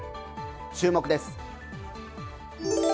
注目です。